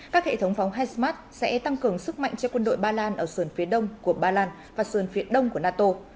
các hệ thống phóng hessmart sẽ tăng cường sức mạnh cho quân đội ba lan ở sườn phía đông của ba lan và sườn phía đông của nato